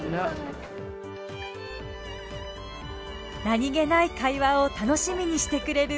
何げない会話を楽しみにしてくれるお客さんたち。